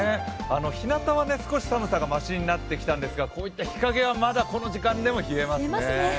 ひなたは少し寒さがましになってきたんですがこういった日陰は、まだこの時間でも冷えますね。